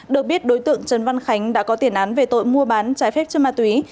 được biết đối tượng trần văn khánh đã có tiền án về tội mua bán trái phép chân ma túy